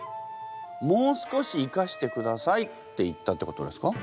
「もう少し生かしてください」って言ったってことですか？